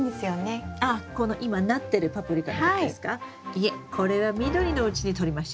いえこれは緑のうちにとりましょう。